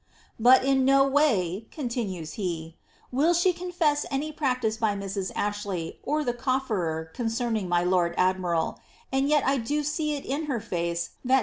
^ But in no way," continues he, ^ will she confess any practice by Mrs. Ashley, or the rjofkrer concerning my lord admiral; and yet 1 do see it in her face that * Hay lies.